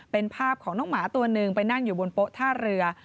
เป็นภาพของน้องหมาตัวหนึ่งไปนั่งอยู่บนโป๊ะท่าเรือ